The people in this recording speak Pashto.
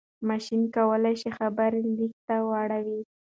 ماشين کولای شي خبرې ليک ته واړوي.